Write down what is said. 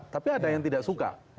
tapi ada yang tidak suka